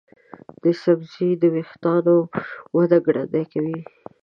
دا سبزی د ویښتانو وده ګړندۍ کوي.